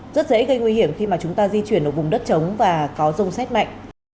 rất dễ gây nguy hiểm khi mà chúng ta di chuyển ở vùng đất chống và có rông xét mạnh